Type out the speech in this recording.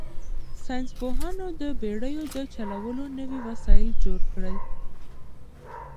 ساینس پوهانو د بېړیو د چلولو نوي وسایل جوړ کړل.